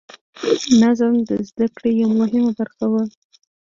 نظم د زده کړې یوه مهمه برخه وه.